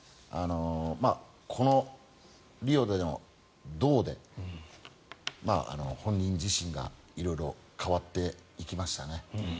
このリオでの銅で本人自身が色々変わっていきましたね。